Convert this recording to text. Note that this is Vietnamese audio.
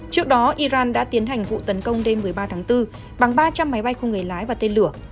trước đó iran đã tiến hành vụ tấn công đêm một mươi ba tháng bốn bằng ba trăm linh máy bay không người lái và tên lửa